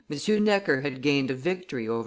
Necker had gained a victory over M.